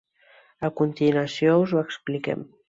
A continuació us ho expliquem.